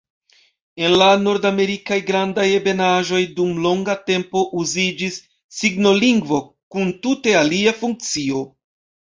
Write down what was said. En la Nordamerikaj Grandaj Ebenaĵoj dum longa tempo uziĝis signolingvo kun tute alia funkcio.